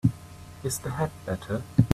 Is the head better?